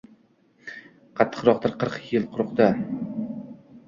Qattiqroqdir, qirq yil quruqda